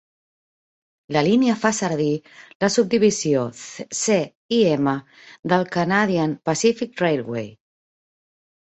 La línia fa servir la subdivisió C i M del Canadian Pacific Railway.